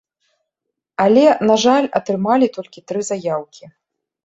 Але, на жаль, атрымалі толькі тры заяўкі.